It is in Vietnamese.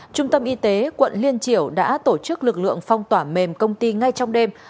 trung tâm y tế quận liên triểu đã tổ chức lực lượng phong tỏa mềm công ty ngay trong đêm